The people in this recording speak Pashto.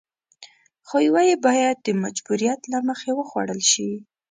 خو يوه يې بايد د مجبوريت له مخې وخوړل شي.